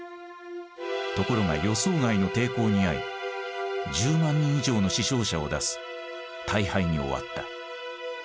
ところが予想外の抵抗に遭い１０万人以上の死傷者を出す大敗に終わった。